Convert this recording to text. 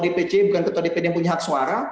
dpc bukan ketua dpd yang punya hak suara